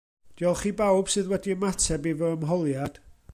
Diolch i bawb sydd wedi ymateb i fy ymholiad.